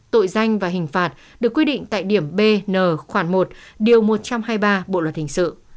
tội danh và hình phạt được quy định tại điểm b n khoảng một điều một trăm hai mươi ba bộ luật hình sự